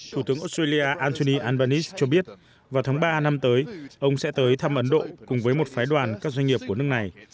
thủ tướng australia anthony albanese cho biết vào tháng ba năm tới ông sẽ tới thăm ấn độ cùng với một phái đoàn các doanh nghiệp của nước này